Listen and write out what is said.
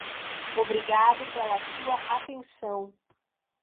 Obrigado pela sua atenção.